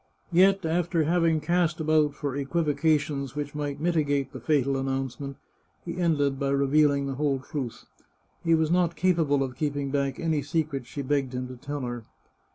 Yet, after having cast about for equivoca 383 The Chartreuse of Parma tions which might mitigate the fatal announcement, he ended by reveaHng the whole truth. He was not capable of keep ing back any secret she begged him to tell her.